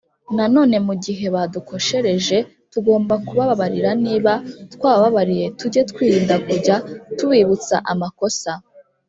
Nanone mu gihe badukoshereje tugomba kubababarira Niba twabababariye tuge twirinda kujya tubibutsa amakosa